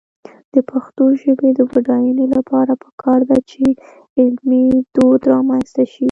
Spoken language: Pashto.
د پښتو ژبې د بډاینې لپاره پکار ده چې علمي دود رامنځته شي.